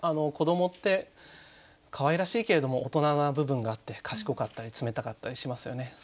子どもってかわいらしいけれども大人な部分があって賢かったり冷たかったりしますよね。